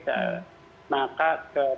dengan psbb dan kondisi covid sembilan belas